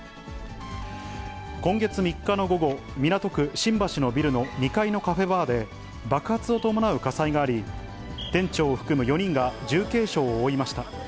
今月３日の午後、港区新橋のビルの２階のカフェバーで爆発を伴う火災があり、店長を含む４人が重軽傷を負いました。